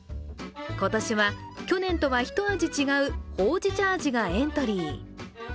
今年は去年とはひと味違うほうじ茶味がエントリー。